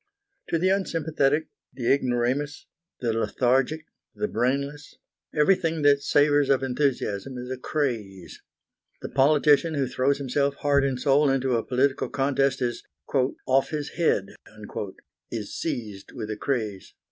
To the unsympathetic, the ignoramus, the lethargic, the brainless, everything that savours of enthusiasm is a craze. The politician who throws himself heart and soul into a political contest is "off his head," is seized with a craze.